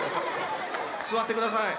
座ってください